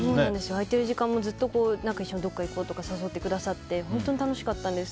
空いている時間もずっとどっか一緒に行こうとか誘ってくださって本当に楽しかったんです。